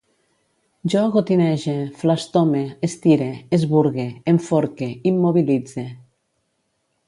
Jo gotinege, flastome, estire, esburgue, enforque, immobilitze